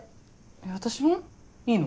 え私も？いいの？